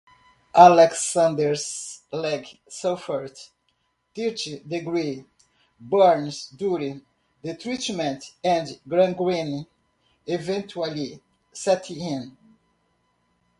Alexander's leg suffered third degree burns during the treatment, and gangrene eventually set in.